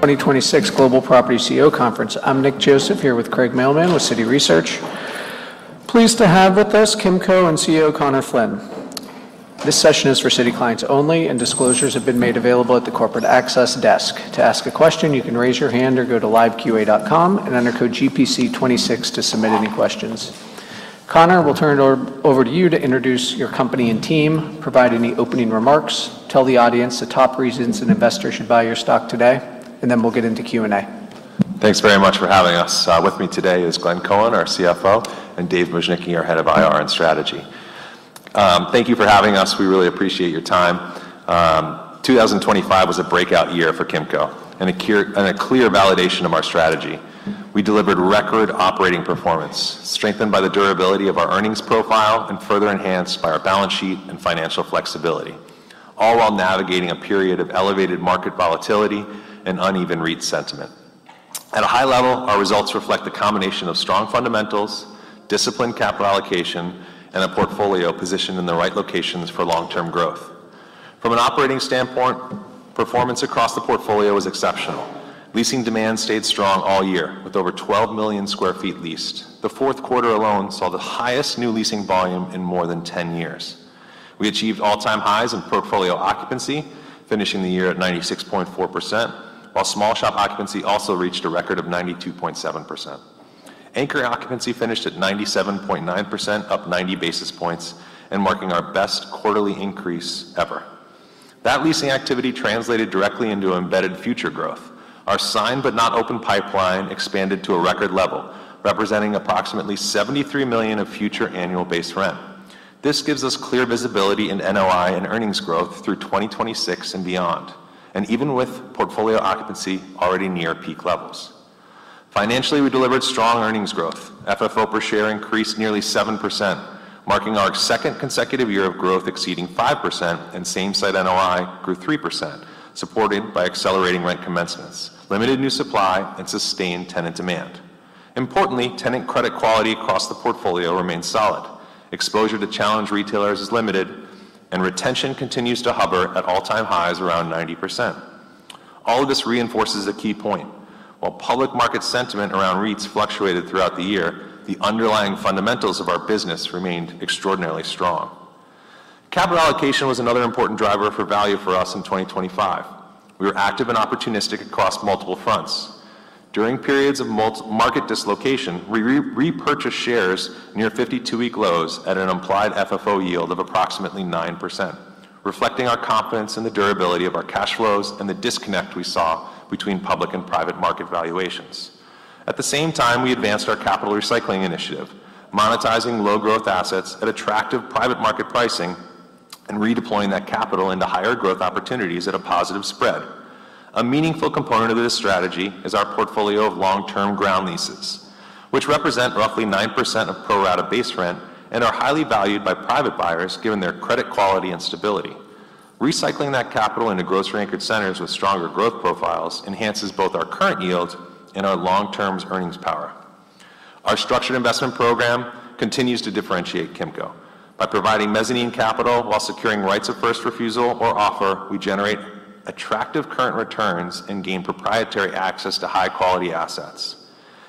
2026 Global Property CEO Conference. I'm Nick Joseph here with Craig Mailman with Citi Research. Pleased to have with us Kimco and CEO Conor Flynn. This session is for Citi clients only, and disclosures have been made available at the corporate access desk. To ask a question, you can raise your hand or go to liveqa.com and enter code GPC26 to submit any questions. Conor, we'll turn it over to you to introduce your company and team, provide any opening remarks, tell the audience the top reasons an investor should buy your stock today, and then we'll get into Q&A. Thanks very much for having us. With me today is Glenn Cohen, our CFO, and David Bujnicki, our Head of IR and Strategy. Thank you for having us. We really appreciate your time. 2025 was a breakout year for Kimco and a clear validation of our strategy. We delivered record operating performance, strengthened by the durability of our earnings profile and further enhanced by our balance sheet and financial flexibility, all while navigating a period of elevated market volatility and uneven REIT sentiment. At a high level, our results reflect the combination of strong fundamentals, disciplined capital allocation, and a portfolio positioned in the right locations for long-term growth. From an operating standpoint, performance across the portfolio was exceptional. Leasing demand stayed strong all year, with over 12 million sq ft leased. The fourth quarter alone saw the highest new leasing volume in more than 10 years. We achieved all-time highs in portfolio occupancy, finishing the year at 96.4%, while small shop occupancy also reached a record of 92.7%. Anchor occupancy finished at 97.9%, up 90 basis points and marking our best quarterly increase ever. That leasing activity translated directly into embedded future growth. Our signed but not open pipeline expanded to a record level, representing approximately $73 million of future annual base rent. This gives us clear visibility in NOI and earnings growth through 2026 and beyond, and even with portfolio occupancy already near peak levels. Financially, we delivered strong earnings growth. FFO per share increased nearly 7%, marking our second consecutive year of growth exceeding 5%. Same-Side NOI grew 3%, supported by accelerating rent commencements, limited new supply, and sustained tenant demand. Importantly, tenant credit quality across the portfolio remains solid. Exposure to challenged retailers is limited. Retention continues to hover at all-time highs around 90%. All of this reinforces a key point. While public market sentiment around REITs fluctuated throughout the year, the underlying fundamentals of our business remained extraordinarily strong. Capital allocation was another important driver for value for us in 2025. We were active and opportunistic across multiple fronts. During periods of market dislocation, we repurchased shares near 52-week lows at an implied FFO yield of approximately 9%, reflecting our confidence in the durability of our cash flows and the disconnect we saw between public and private market valuations. At the same time, we advanced our capital recycling initiative, monetizing low-growth assets at attractive private market pricing and redeploying that capital into higher growth opportunities at a positive spread. A meaningful component of this strategy is our portfolio of long-term ground leases, which represent roughly 9% of pro rata base rent and are highly valued by private buyers given their credit quality and stability. Recycling that capital into grocery-anchored centers with stronger growth profiles enhances both our current yield and our long-term's earnings power. Our structured investment program continues to differentiate Kimco. By providing mezzanine capital while securing rights of first refusal or offer, we generate attractive current returns and gain proprietary access to high-quality assets.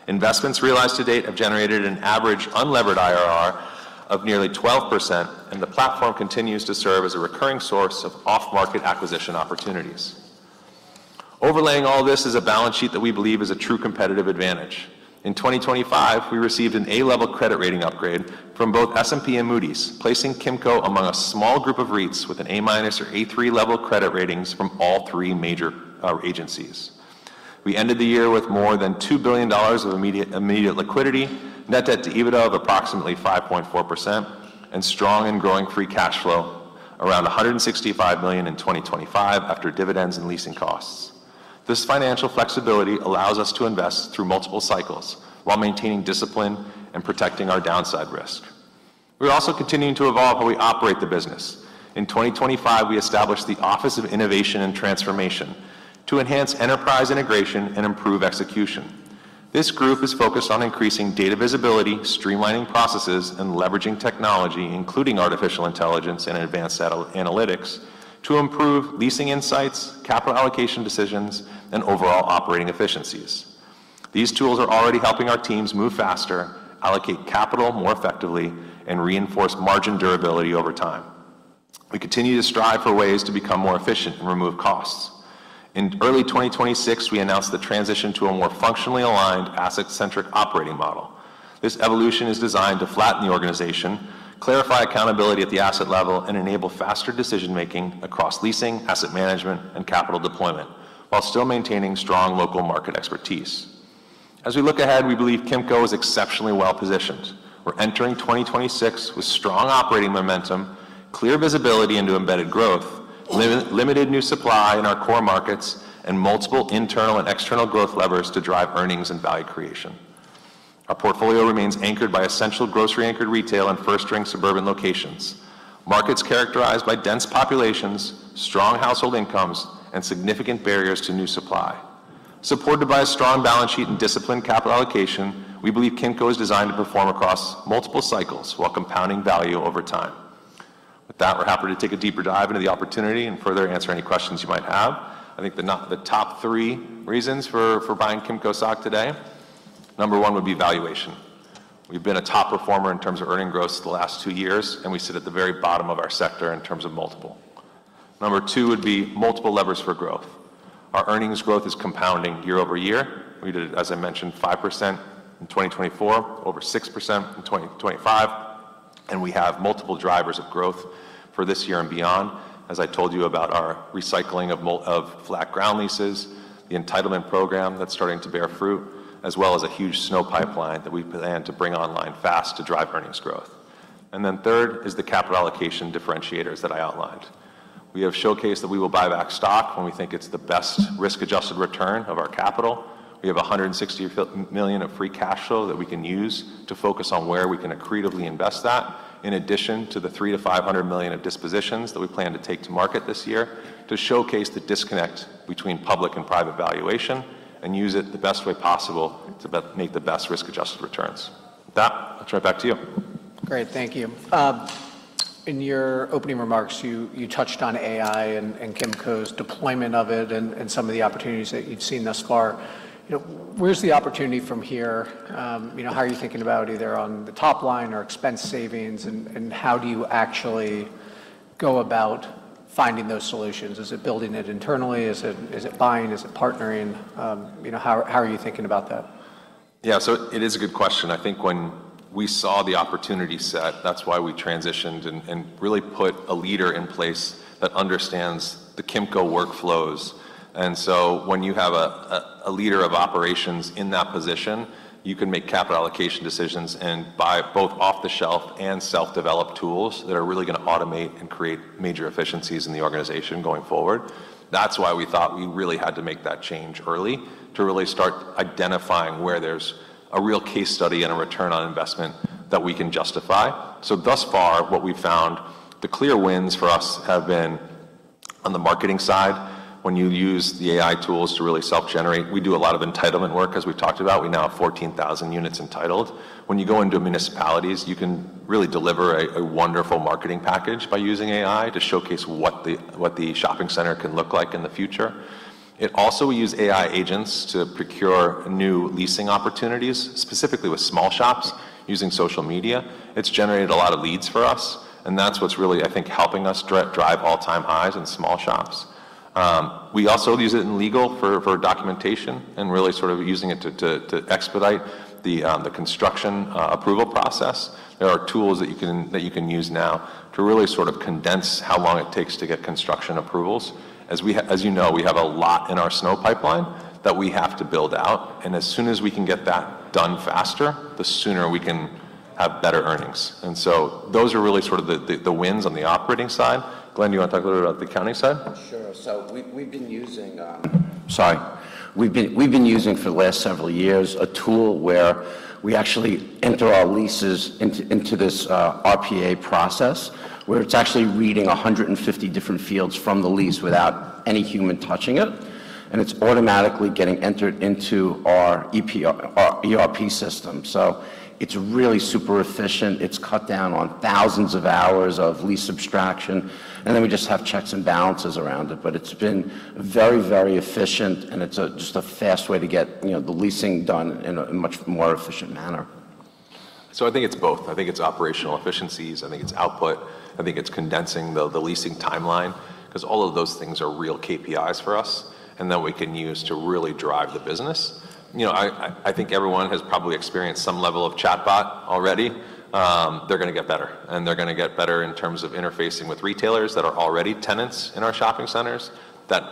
Investments realized to date have generated an average unlevered IRR of nearly 12%. The platform continues to serve as a recurring source of off-market acquisition opportunities. Overlaying all this is a balance sheet that we believe is a true competitive advantage. In 2025, we received an A-level credit rating upgrade from both S&P and Moody's, placing Kimco among a small group of REITs with an A-/A3 level credit ratings from all three major agencies. We ended the year with more than $2 billion of immediate liquidity, net debt to EBITDA of approximately 5.4%, and strong and growing free cash flow, around $165 million in 2025 after dividends and leasing costs. This financial flexibility allows us to invest through multiple cycles while maintaining discipline and protecting our downside risk. We're also continuing to evolve how we operate the business. In 2025, we established the Office of Innovation and Transformation to enhance enterprise integration and improve execution. This group is focused on increasing data visibility, streamlining processes, and leveraging technology, including artificial intelligence and advanced analytics, to improve leasing insights, capital allocation decisions, and overall operating efficiencies. These tools are already helping our teams move faster, allocate capital more effectively, and reinforce margin durability over time. We continue to strive for ways to become more efficient and remove costs. In early 2026, we announced the transition to a more functionally aligned asset-centric operating model. This evolution is designed to flatten the organization, clarify accountability at the asset level, and enable faster decision-making across Leasing, Asset Management, and Capital Deployment while still maintaining strong local market expertise. As we look ahead, we believe Kimco is exceptionally well-positioned. We're entering 2026 with strong operating momentum, clear visibility into embedded growth, limited new supply in our core markets, and multiple internal and external growth levers to drive earnings and value creation. Our portfolio remains anchored by essential grocery-anchored retail and first-ring suburban locations, markets characterized by dense populations, strong household incomes, and significant barriers to new supply. Supported by a strong balance sheet and disciplined capital allocation, we believe Kimco is designed to perform across multiple cycles while compounding value over time. With that, we're happy to take a deeper dive into the opportunity and further answer any questions you might have. I think the top three reasons for buying Kimco stock today, number one would be valuation. We've been a top performer in terms of earnings growth the last two years, and we sit at the very bottom of our sector in terms of multiple. Number two would be multiple levers for growth. Our earnings growth is compounding year-over-year. We did, as I mentioned, 5% in 2024, over 6% in 2025, and we have multiple drivers of growth for this year and beyond. As I told you about our recycling of flat ground leases, the entitlement program that's starting to bear fruit, as well as a huge SNO pipeline that we plan to bring online fast to drive earnings growth. Third is the capital allocation differentiators that I outlined. We have showcased that we will buy back stock when we think it's the best risk-adjusted return of our capital. We have $160 million of free cash flow that we can use to focus on where we can accretively invest that, in addition to the $300 million-$500 million of dispositions that we plan to take to market this year to showcase the disconnect between public and private valuation and use it the best way possible to make the best risk-adjusted returns. With that, I'll turn it back to you. Great. Thank you. In your opening remarks, you touched on AI and Kimco's deployment of it and some of the opportunities that you've seen thus far. You know, where's the opportunity from here? You know, how are you thinking about either on the top line or expense savings, and how do you actually go about finding those solutions? Is it building it internally? Is it buying? Is it partnering? You know, how are you thinking about that? It is a good question. I think when we saw the opportunity set, that's why we transitioned and really put a leader in place that understands the Kimco workflows. When you have a leader of operations in that position, you can make capital allocation decisions and buy both off-the-shelf and self-developed tools that are really going to automate and create major efficiencies in the organization going forward. That's why we thought we really had to make that change early to really start identifying where there's a real case study and a return on investment that we can justify. Thus far, what we've found the clear wins for us have been on the marketing side when you use the AI tools to really self-generate. We do a lot of entitlement work, as we've talked about. We now have 14,000 units entitled. When you go into municipalities, you can really deliver a wonderful marketing package by using AI to showcase what the shopping center can look like in the future. We use AI agents to procure new leasing opportunities, specifically with small shops using social media. It's generated a lot of leads for us, and that's what's really, I think, helping us drive all-time highs in small shops. We also use it in legal for documentation and really sort of using it to expedite the construction approval process. There are tools that you can use now to really sort of condense how long it takes to get construction approvals. As you know, we have a lot in our SNO pipeline that we have to build out, and as soon as we can get that done faster, the sooner we can have better earnings. Those are really sort of the, the wins on the operating side. Glenn, do you wanna talk a little about the accounting side? Sure. We've been using for the last several years a tool where we actually enter our leases into this RPA process, where it's actually reading 150 different fields from the lease without any human touching it, and it's automatically getting entered into our ERP system. It's really super efficient. It's cut down on thousands of hours of lease abstraction, and then we just have checks and balances around it. It's been very efficient, and it's just a fast way to get, you know, the leasing done in a much more efficient manner. I think it's both. I think it's operational efficiencies. I think it's output. I think it's condensing the leasing timeline, 'cause all of those things are real KPIs for us, and that we can use to really drive the business. You know, I think everyone has probably experienced some level of chatbot already. They're gonna get better, and they're gonna get better in terms of interfacing with retailers that are already tenants in our shopping centers, that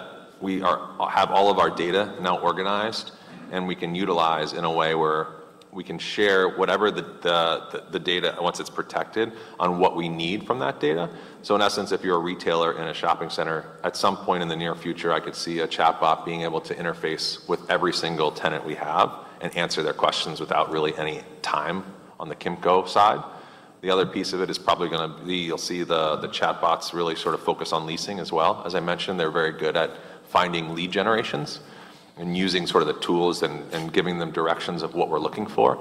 we have all of our data now organized, and we can utilize in a way where we can share whatever the data, once it's protected, on what we need from that data. In essence, if you're a retailer in a shopping center, at some point in the near future, I could see a chatbot being able to interface with every single tenant we have and answer their questions without really any time on the Kimco side. The other piece of it is probably gonna be you'll see the chatbots really sort of focus on leasing as well. As I mentioned, they're very good at finding lead generations and using sort of the tools and giving them directions of what we're looking for.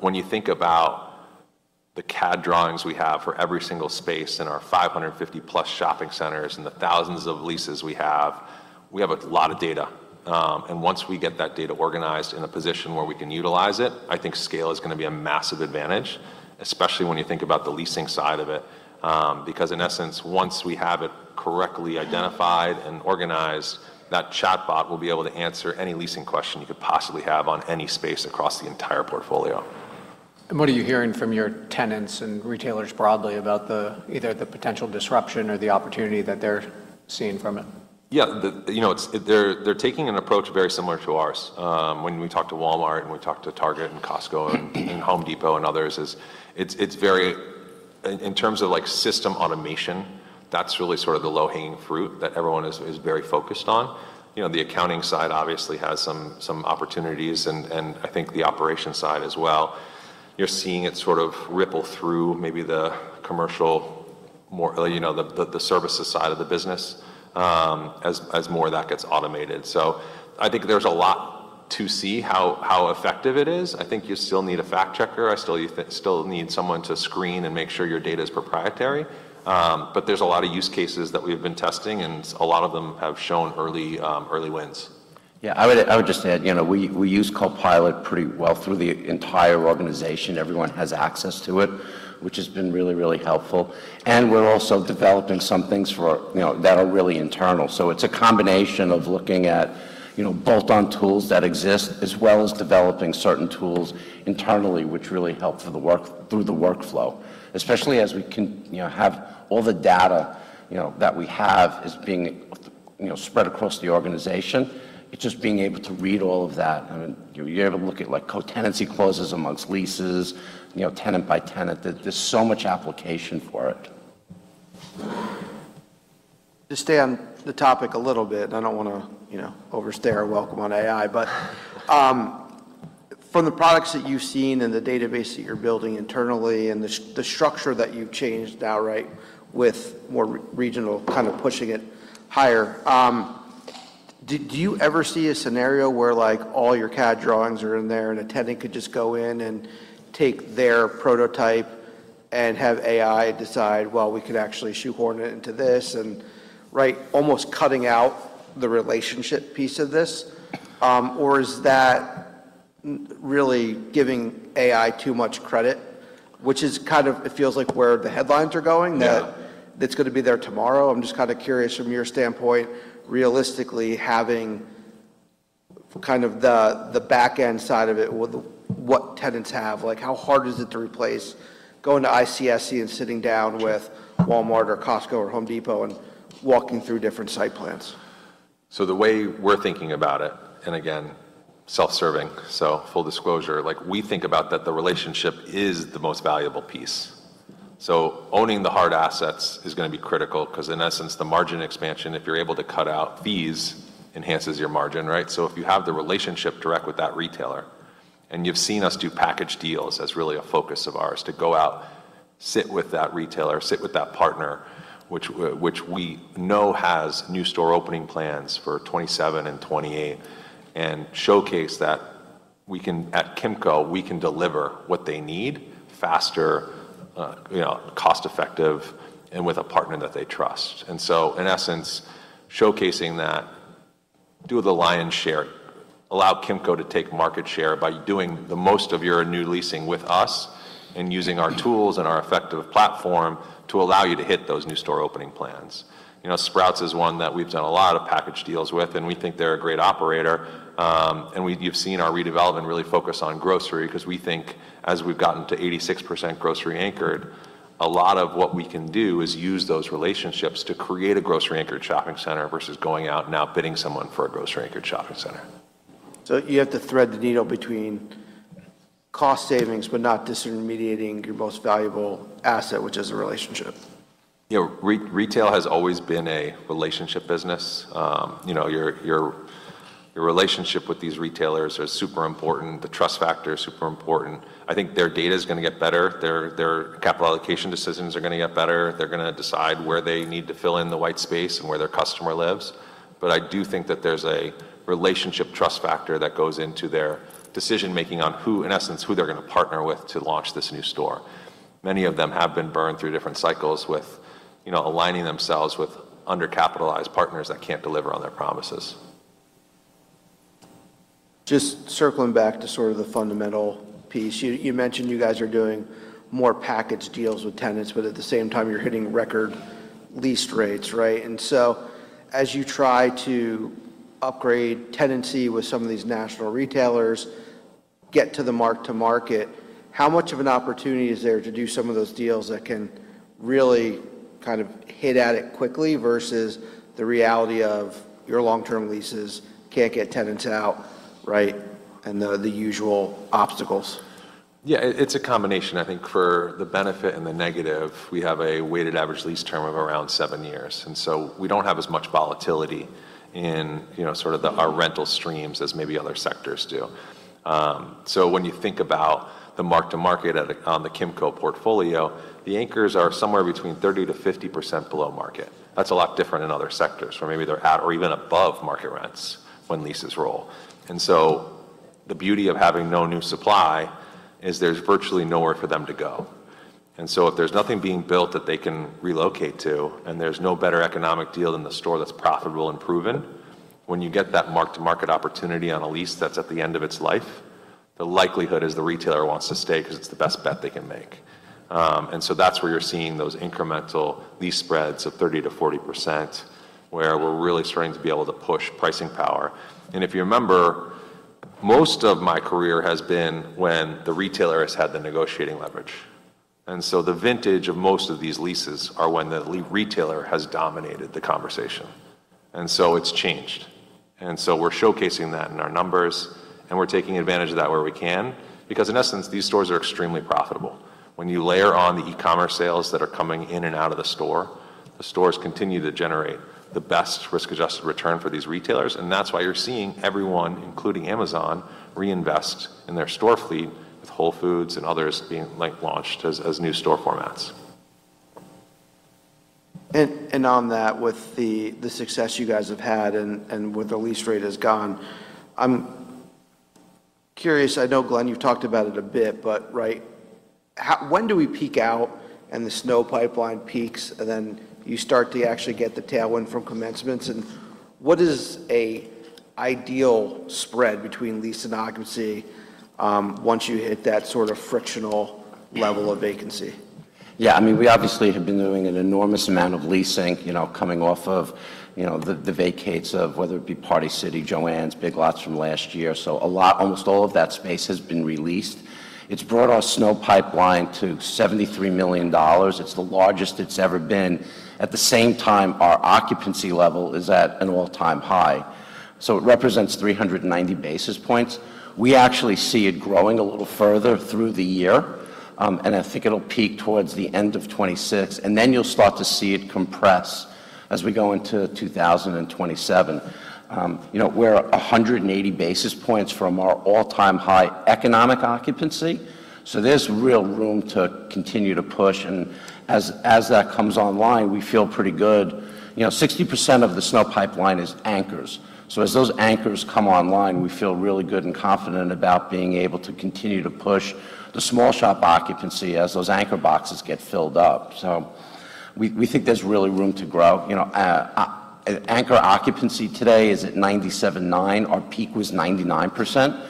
When you think about the CAD drawings we have for every single space in our 550+ shopping centers and the thousands of leases we have, we have a lot of data. Once we get that data organized in a position where we can utilize it, I think scale is gonna be a massive advantage, especially when you think about the leasing side of it. In essence, once we have it correctly identified and organized, that chatbot will be able to answer any leasing question you could possibly have on any space across the entire portfolio. What are you hearing from your tenants and retailers broadly about the, either the potential disruption or the opportunity that they're seeing from it? Yeah. The, you know, they're taking an approach very similar to ours. When we talk to Walmart, and we talk to Target and Costco and Home Depot and others is it's very. In terms of, like, system automation, that's really sort of the low-hanging fruit that everyone is very focused on. You know, the accounting side obviously has some opportunities and I think the operations side as well. You're seeing it sort of ripple through maybe the commercial more, you know, the services side of the business, as more of that gets automated. I think there's a lot to see how effective it is. I think you still need a fact checker. You still need someone to screen and make sure your data is proprietary. There's a lot of use cases that we've been testing, and a lot of them have shown early wins. I would just add, you know, we use Copilot pretty well through the entire organization. Everyone has access to it, which has been really, really helpful. We're also developing some things for, you know, that are really internal. It's a combination of looking at, you know, bolt-on tools that exist, as well as developing certain tools internally, which really help through the workflow, especially as we can, you know, have all the data that we have is being spread across the organization. It's just being able to read all of that. I mean, you're able to look at, like, co-tenancy clauses amongst leases, you know, tenant by tenant. There's so much application for it. To stay on the topic a little bit, and I don't want to, you know, overstay our welcome on AI, but, from the products that you've seen and the database that you're building internally and the structure that you've changed outright with more re-regional kind of pushing it higher, do you ever see a scenario where, like, all your CAD drawings are in there and a tenant could just go in and take their prototype and have AI decide, well, we could actually shoehorn it into this and, right, almost cutting out the relationship piece of this? Or is that really giving AI too much credit? Which is kind of, it feels like where the headlines are going. No. That it's gonna be there tomorrow. I'm just kind of curious from your standpoint, realistically having kind of the back end side of it with what tenants have. Like, how hard is it to replace going to ICSC and sitting down with Walmart or Costco or Home Depot and walking through different site plans? The way we're thinking about it, and again, self-serving, so full disclosure, like we think about that the relationship is the most valuable piece. Owning the hard assets is gonna be critical because in essence, the margin expansion, if you're able to cut out fees, enhances your margin, right? If you have the relationship direct with that retailer, and you've seen us do package deals as really a focus of ours to go out, sit with that retailer, sit with that partner, which we know has new store opening plans for 2027 and 2028 and showcase that we can, at Kimco, we can deliver what they need faster, you know, cost-effective and with a partner that they trust. In essence, showcasing that, do the lion's share, allow Kimco to take market share by doing the most of your new leasing with us and using our tools and our effective platform to allow you to hit those new store opening plans. You know, Sprouts is one that we've done a lot of package deals with, and we think they're a great operator. You've seen our redevelopment really focus on grocery because we think as we've gotten to 86% grocery anchored, a lot of what we can do is use those relationships to create a grocery anchored shopping center versus going out and outbidding someone for a grocery anchored shopping center. You have to thread the needle between cost savings but not disintermediating your most valuable asset, which is a relationship. You know, re-retail has always been a relationship business. you know, your relationship with these retailers are super important. The trust factor is super important. I think their data is gonna get better. Their capital allocation decisions are gonna get better. They're gonna decide where they need to fill in the white space and where their customer lives. I do think that there's a relationship trust factor that goes into their decision-making on who, in essence, who they're gonna partner with to launch this new store. Many of them have been burned through different cycles with, you know, aligning themselves with undercapitalized partners that can't deliver on their promises. Just circling back to sort of the fundamental piece. You mentioned you guys are doing more package deals with tenants, but at the same time you're hitting record lease rates, right? As you try to upgrade tenancy with some of these national retailers, get to the mark to market, how much of an opportunity is there to do some of those deals that can really kind of hit at it quickly versus the reality of your long-term leases can't get tenants out, right, and the usual obstacles? Yeah. It's a combination. I think for the benefit and the negative, we have a weighted average lease term of around seven years. We don't have as much volatility in, you know, sort of the, our rental streams as maybe other sectors do. When you think about the mark to market on the Kimco portfolio, the anchors are somewhere between 30%-50% below market. That's a lot different in other sectors where maybe they're at or even above market rents when leases roll. The beauty of having no new supply is there's virtually nowhere for them to go. If there's nothing being built that they can relocate to, and there's no better economic deal than the store that's profitable and proven, when you get that mark to market opportunity on a lease that's at the end of its life, the likelihood is the retailer wants to stay because it's the best bet they can make. That's where you're seeing those incremental lease spreads of 30%-40% where we're really starting to be able to push pricing power. If you remember, most of my career has been when the retailer has had the negotiating leverage. The vintage of most of these leases are when the retailer has dominated the conversation. It's changed. We're showcasing that in our numbers, and we're taking advantage of that where we can because in essence, these stores are extremely profitable. When you layer on the e-commerce sales that are coming in and out of the store, the stores continue to generate the best risk-adjusted return for these retailers. That's why you're seeing everyone, including Amazon, reinvest in their store fleet with Whole Foods and others being, like, launched as new store formats. On that with the success you guys have had and where the lease rate has gone, I'm curious, I know Glenn, you've talked about it a bit, but right, when do we peak out and the SNO pipeline peaks, and then you start to actually get the tailwind from commencements? What is an ideal spread between lease and occupancy once you hit that sort of frictional level of vacancy? Yeah, I mean, we obviously have been doing an enormous amount of leasing, you know, coming off of, you know, the vacates of whether it be Party City, Joann, Big Lots from last year. A lot, almost all of that space has been released. It's brought our SNO pipeline to $73 million. It's the largest it's ever been. At the same time, our occupancy level is at an all-time high. It represents 390 basis points. We actually see it growing a little further through the year, and I think it'll peak towards the end of 2026, and then you'll start to see it compress as we go into 2027. You know, we're 180 basis points from our all-time high economic occupancy, there's real room to continue to push, and as that comes online, we feel pretty good. You know, 60% of the SNO pipeline is anchors. As those anchors come online, we feel really good and confident about being able to continue to push the small shop occupancy as those anchor boxes get filled up. We think there's really room to grow. You know, our anchor occupancy today is at 97.9%. Our peak was 99%.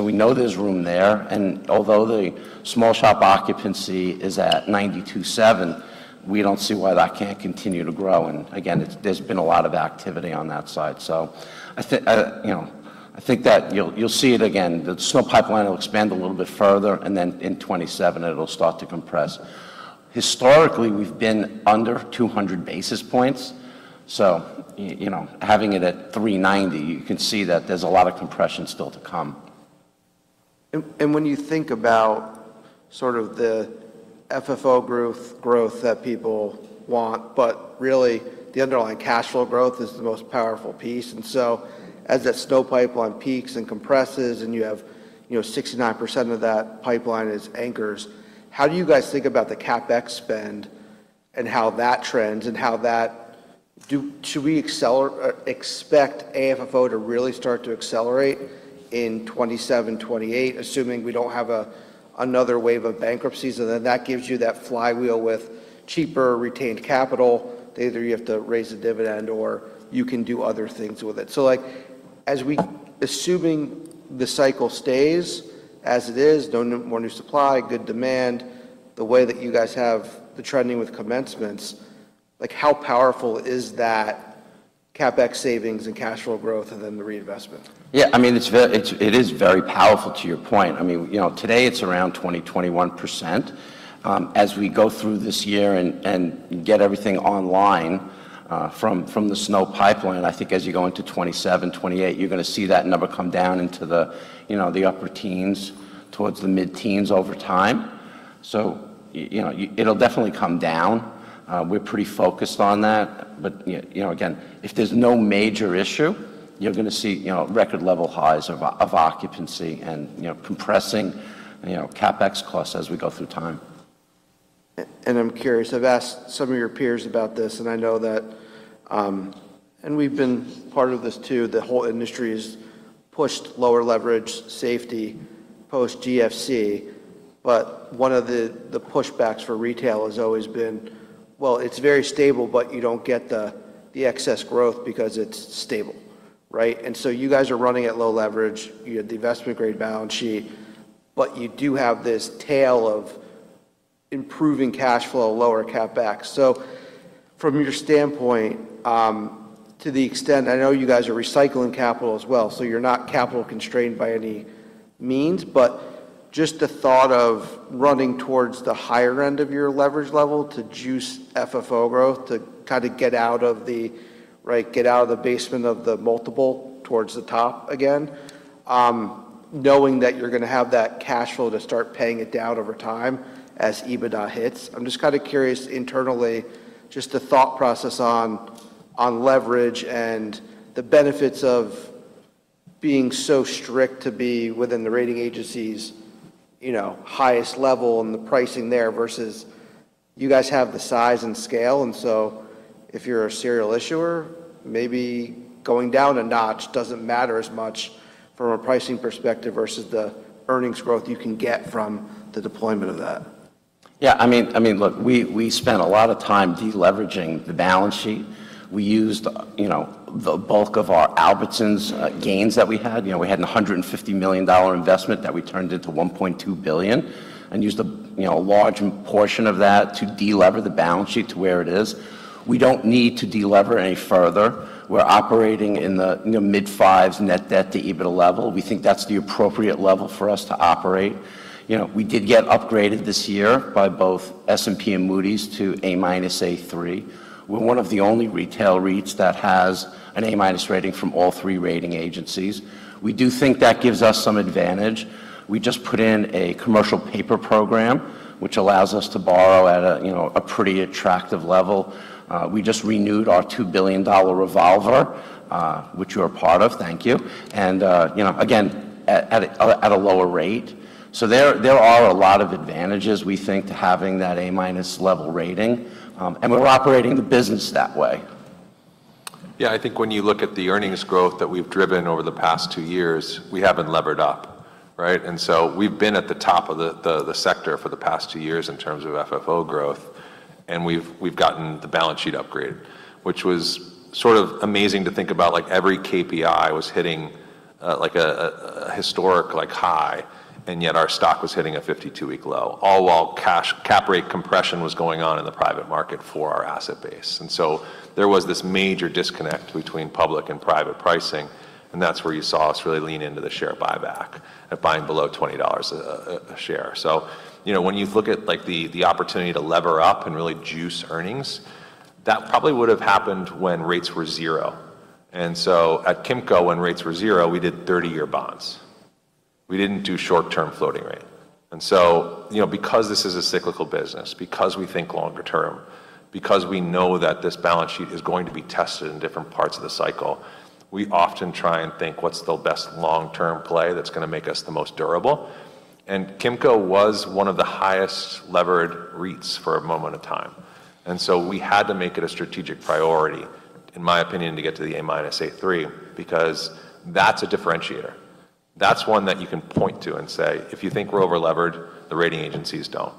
We know there's room there, and although the small shop occupancy is at 92.7%, we don't see why that can't continue to grow. Again, there's been a lot of activity on that side. You know, I think that you'll see it again. The SNO pipeline will expand a little bit further, in 2027 it'll start to compress. Historically, we've been under 200 basis points, you know, having it at 390 basis points, you can see that there's a lot of compression still to come. When you think about sort of the FFO growth that people want, but really the underlying cash flow growth is the most powerful piece. As that SNO pipeline peaks and compresses and you have, you know, 69% of that pipeline is anchors, how do you guys think about the CapEx spend and how that trends and how that should we expect AFFO to really start to accelerate in 2027, 2028, assuming we don't have a, another wave of bankruptcies? Then that gives you that flywheel with cheaper retained capital to either you have to raise the dividend or you can do other things with it. Like, as we assuming the cycle stays as it is, no more new supply, good demand, the way that you guys have the trending with commencements, like how powerful is that CapEx savings and cash flow growth and then the reinvestment? Yeah, I mean, it's very powerful to your point. I mean, you know, today it's around 20%-21%. As we go through this year and get everything online from the SNO pipeline, I think as you go into 2027, 2028, you're gonna see that number come down into the, you know, the upper teens towards the mid-teens over time. You know, it'll definitely come down. We're pretty focused on that. You know, again, if there's no major issue, you're gonna see, you know, record level highs of occupancy and, you know, compressing, you know, CapEx costs as we go through time. I'm curious, I've asked some of your peers about this, and I know that, and we've been part of this too, the whole industry's pushed lower leverage safety post GFC, but one of the pushbacks for retail has always been, well, it's very stable, but you don't get the excess growth because it's stable, right? You guys are running at low leverage, you had the investment grade balance sheet, but you do have this tail of improving cash flow, lower CapEx. From your standpoint, to the extent I know you guys are recycling capital as well, so you're not capital constrained by any means, but just the thought of running towards the higher end of your leverage level to juice FFO growth to kind of get out of the basement of the multiple towards the top again, knowing that you're gonna have that cash flow to start paying it down over time as EBITDA hits. I'm just kind of curious internally, just the thought process on leverage and the benefits of being so strict to be within the rating agencies, you know, highest level and the pricing there versus you guys have the size and scale, and so if you're a serial issuer, maybe going down a notch doesn't matter as much from a pricing perspective versus the earnings growth you can get from the deployment of that. Yeah, I mean, look, we spent a lot of time de-leveraging the balance sheet. We used, you know, the bulk of our Albertsons gains that we had. You know, we had an $150 million investment that we turned into $1.2 billion and used a, you know, a large portion of that to de-lever the balance sheet to where it is. We don't need to de-lever any further. We're operating in the, you know, mid-5s net debt to EBITDA level. We think that's the appropriate level for us to operate. You know, we did get upgraded this year by both S&P and Moody's to A-/A3. We're one of the only retail REITs that has an A- rating from all three rating agencies. We do think that gives us some advantage. We just put in a commercial paper program, which allows us to borrow at a, you know, a pretty attractive level. We just renewed our $2 billion revolver, which you are part of, thank you. You know, again, at a, at a lower rate. There, there are a lot of advantages, we think, to having that A- level rating. And we're operating the business that way. Yeah, I think when you look at the earnings growth that we've driven over the past two years, we haven't levered up, right? We've been at the top of the sector for the past two years in terms of FFO growth, and we've gotten the balance sheet upgraded, which was sort of amazing to think about, like, every KPI was hitting, like a historic, like, high, and yet our stock was hitting a 52-week low, all while cap rate compression was going on in the private market for our asset base. There was this major disconnect between public and private pricing, and that's where you saw us really lean into the share buyback and buying below $20 a share. you know, when you look at, like, the opportunity to lever up and really juice earnings, that probably would have happened when rates were 0. At Kimco, when rates were 0, we did 30-year bonds. We didn't do short-term floating rate. you know, because this is a cyclical business, because we think longer term, because we know that this balance sheet is going to be tested in different parts of the cycle, we often try and think, what's the best long-term play that's gonna make us the most durable? Kimco was one of the highest levered REITs for a moment of time. We had to make it a strategic priority, in my opinion, to get to the A-/A3, because that's a differentiator. That's one that you can point to and say, "If you think we're over-levered, the rating agencies don't."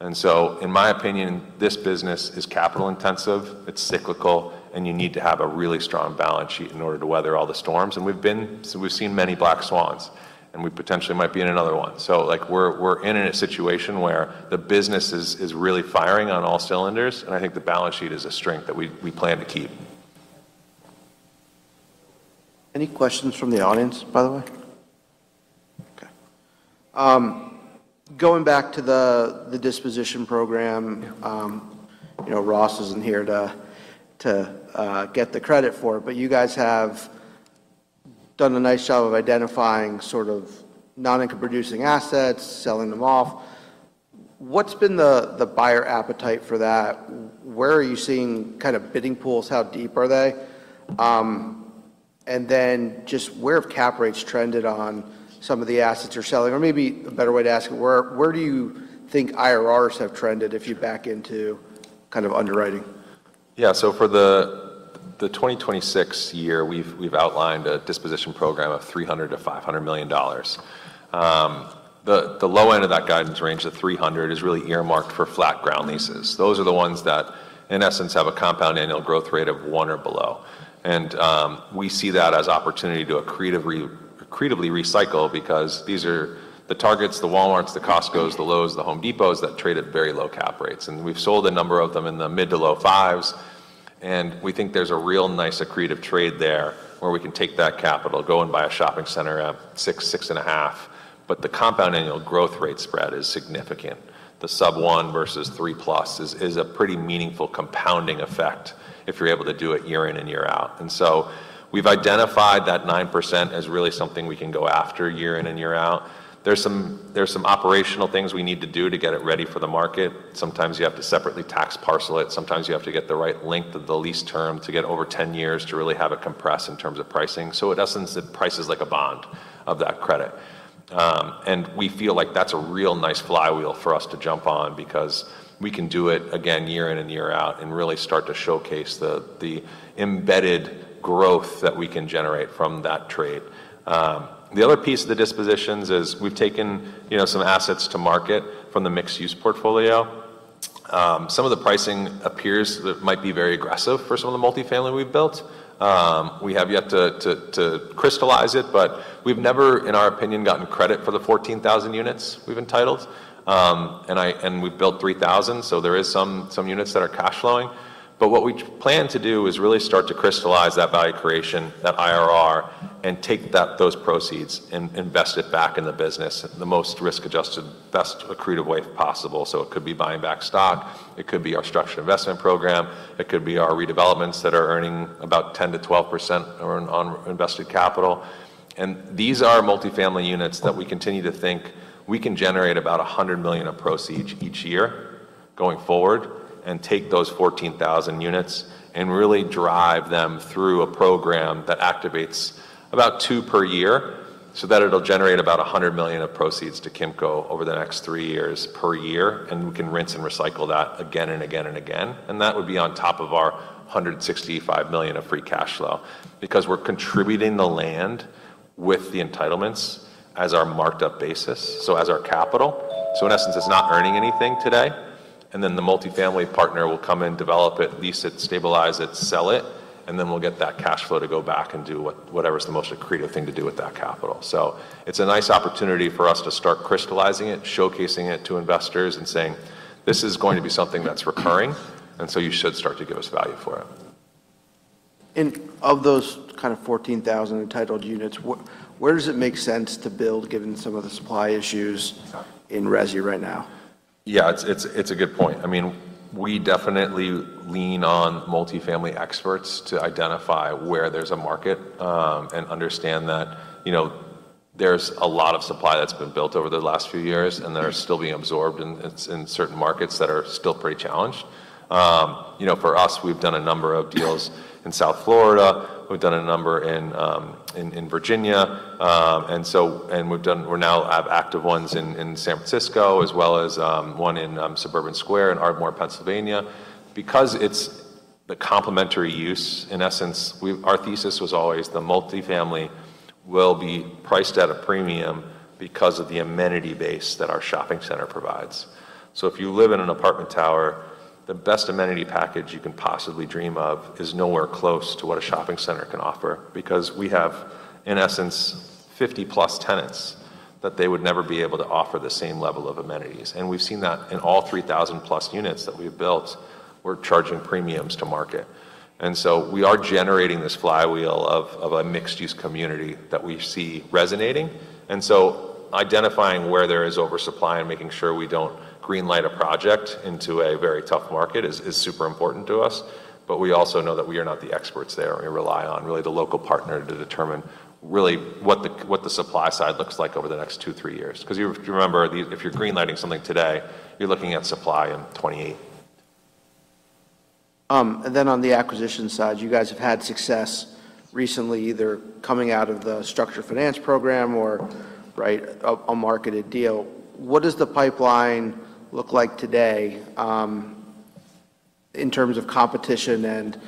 In my opinion, this business is capital-intensive, it's cyclical, and you need to have a really strong balance sheet in order to weather all the storms, and we've seen many black swans, and we potentially might be in another one. Like, we're in a situation where the business is really firing on all cylinders, and I think the balance sheet is a strength that we plan to keep. Any questions from the audience, by the way? Okay. Going back to the disposition program, you know, Ross isn't here to get the credit for it, but you guys have done a nice job of identifying sort of non-income producing assets, selling them off. What's been the buyer appetite for that? Where are you seeing kind of bidding pools? How deep are they? Just where have cap rates trended on some of the assets you're selling? Or maybe a better way to ask it, where do you think IRRs have trended if you back into kind of underwriting? For the 2026 year, we've outlined a disposition program of $300 million-$500 million. The low end of that guidance range, the $300 million, is really earmarked for flat ground leases. Those are the ones that in essence have a compound annual growth rate of 1% or below. We see that as opportunity to accretively recycle because these are the Target, the Walmart, the Costco, the Lowe's, the Home Depot that trade at very low cap rates. We've sold a number of them in the mid to low fives, and we think there's a real nice accretive trade there where we can take that capital, go and buy a shopping center at 6%, 6.5%. The compound annual growth rate spread is significant. The sub 1 versus 3+ is a pretty meaningful compounding effect if you're able to do it year in and year out. We've identified that 9% as really something we can go after year in and year out. There's some, there's some operational things we need to do to get it ready for the market. Sometimes you have to separately tax parcel it. Sometimes you have to get the right length of the lease term to get over 10 years to really have it compress in terms of pricing. In essence, it prices like a bond of that credit. We feel like that's a real nice flywheel for us to jump on because we can do it again year in and year out and really start to showcase the embedded growth that we can generate from that trade. The other piece of the dispositions is we've taken, you know, some assets to market from the mixed-use portfolio. Some of the pricing appears that might be very aggressive for some of the multifamily we've built. We have yet to crystallize it, but we've never, in our opinion, gotten credit for the 14,000 units we've entitled. We've built 3,000, so there is some units that are cash flowing. What we plan to do is really start to crystallize that value creation, that IRR, and take those proceeds and invest it back in the business in the most risk-adjusted, best accretive way possible. It could be buying back stock. It could be our structured investment program. It could be our redevelopments that are earning about 10%-12% on invested capital. These are multifamily units that we continue to think we can generate about $100 million of proceeds each year going forward and take those 14,000 units and really drive them through a program that activates about two per year so that it'll generate about $100 million of proceeds to Kimco over the next three years per year, and we can rinse and recycle that again and again and again. That would be on top of our $165 million of free cash flow because we're contributing the land with the entitlements as our marked-up basis, so as our capital. In essence, it's not earning anything today, the multifamily partner will come and develop it, lease it, stabilize it, sell it, and then we'll get that cash flow to go back and do whatever is the most accretive thing to do with that capital. It's a nice opportunity for us to start crystallizing it, showcasing it to investors, and saying, "This is going to be something that's recurring, you should start to give us value for it. Of those kind of 14,000 entitled units, where does it make sense to build given some of the supply issues in resi right now? Yeah, it's a good point. I mean, we definitely lean on multifamily experts to identify where there's a market and understand that, you know, there's a lot of supply that's been built over the last few years and that are still being absorbed in certain markets that are still pretty challenged. You know, for us, we've done a number of deals in South Florida. We've done a number in Virginia. We now have active ones in San Francisco as well as one in Suburban Square in Ardmore, Pennsylvania. The complementary use, in essence, our thesis was always the multifamily will be priced at a premium because of the amenity base that our shopping center provides. If you live in an apartment tower, the best amenity package you can possibly dream of is nowhere close to what a shopping center can offer because we have, in essence, 50+ tenants that they would never be able to offer the same level of amenities. We've seen that in all 3,000+ units that we've built, we're charging premiums to market. We are generating this flywheel of a mixed-use community that we see resonating. Identifying where there is oversupply and making sure we don't green-light a project into a very tough market is super important to us. We also know that we are not the experts there, and rely on really the local partner to determine really what the supply side looks like over the next two, three years. 'Cause you've, if you remember the... if you're green-lighting something today, you're looking at supply in 2028. On the acquisition side, you guys have had success recently either coming out of the structured finance program or, right, a marketed deal. What does the pipeline look like today in terms of competition and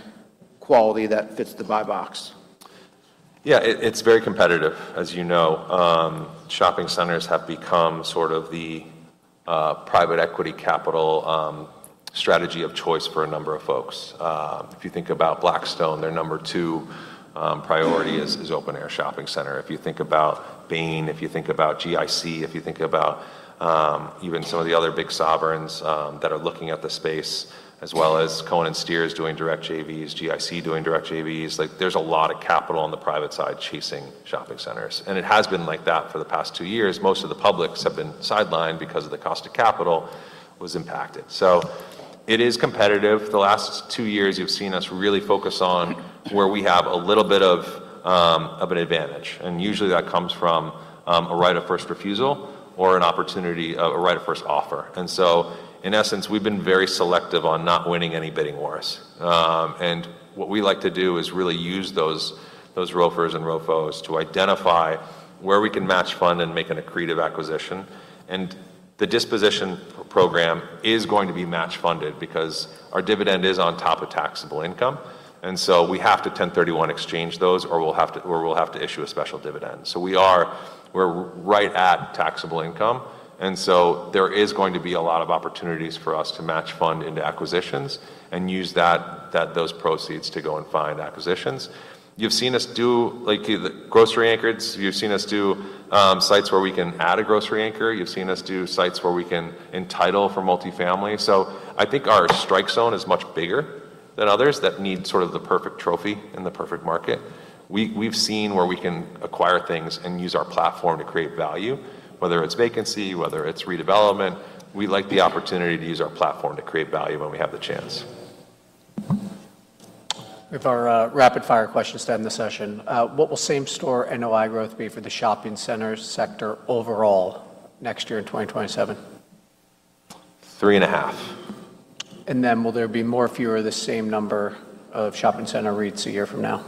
quality that fits the buy box? It's very competitive. As you know, shopping centers have become sort of the private equity capital strategy of choice for a number of folks. If you think about Blackstone, their number two priority is open-air shopping center. If you think about Bain, if you think about GIC, if you think about even some of the other big sovereigns that are looking at the space, as well as Cohen & Steers doing direct JVs, GIC doing direct JVs, like, there's a lot of capital on the private side chasing shopping centers, and it has been like that for the past two years. Most of the publics have been sidelined because of the cost of capital was impacted. It is competitive. The last two years, you've seen us really focus on where we have a little bit of an advantage, and usually that comes from a right of first refusal or an opportunity, a right of first offer. In essence, we've been very selective on not winning any bidding wars. What we like to do is really use those ROFRs and ROFOs to identify where we can match fund and make an accretive acquisition. The disposition program is going to be match funded because our dividend is on top of taxable income, we have to 1031 exchange those or we'll have to issue a special dividend. We are... we're right at taxable income. There is going to be a lot of opportunities for us to match fund into acquisitions and use those proceeds to go and find acquisitions. You've seen us do, like, the grocery anchorages. You've seen us do sites where we can add a grocery anchor. You've seen us do sites where we can entitle for multifamily. I think our strike zone is much bigger than others that need sort of the perfect trophy and the perfect market. We've seen where we can acquire things and use our platform to create value, whether it's vacancy, whether it's redevelopment. We like the opportunity to use our platform to create value when we have the chance. With our rapid-fire questions to end the session, what will same-store NOI growth be for the shopping centers sector overall next year in 2027? 3.5%. Will there be more, fewer, the same number of shopping center REITs a year from now?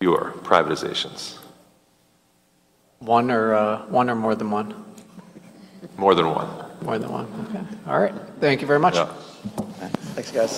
Fewer privatizations. One or, one or more than one? More than one. More than one. Okay. All right. Thank you very much. Yeah. All right. Thanks, guys.